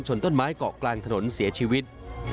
ต้นไม้เกาะกลางถนนเสียชีวิต